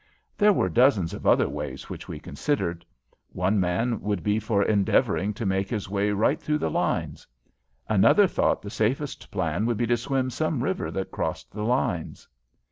There were dozens of other ways which we considered. One man would be for endeavoring to make his way right through the lines. Another thought the safest plan would be to swim some river that crossed the lines.